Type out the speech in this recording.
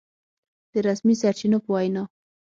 د رسمي سرچينو په وينا